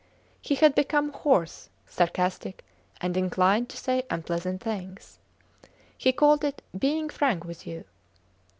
He had become hoarse, sarcastic, and inclined to say unpleasant things. He called it being frank with you.